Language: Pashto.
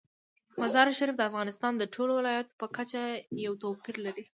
مزارشریف د افغانستان د ټولو ولایاتو په کچه یو توپیر لري.